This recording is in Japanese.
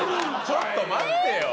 ちょっと待ってよ。